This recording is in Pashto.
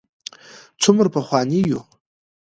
څومره پخواني یو.